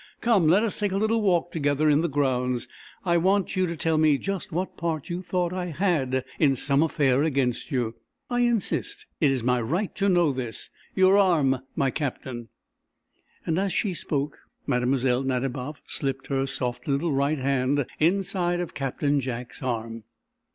Come, let us take a little walk together in the grounds. I want you to tell me just what part you thought I had in some affair against you. I insist; it is my right to know this. Your arm, my Captain!" As she spoke, Mlle. Nadiboff slipped her soft little right hand inside of Captain Jack's arm.